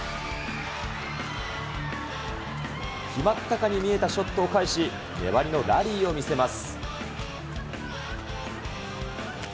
決まったかに見えたショットを返し、粘りのラリーを見せます。